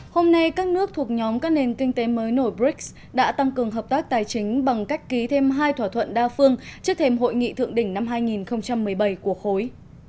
hôm nay các nước thuộc nhóm các nền kinh tế mới nổi brics đã tăng cường hợp tác tài chính bằng cách ký thêm hai thỏa thuận đa phương trước thêm hội nghị thượng đỉnh năm hai nghìn một mươi bảy của khối